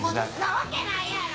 なわけないやろ！